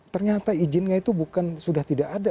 ternyata izinnya itu bukan sudah tidak ada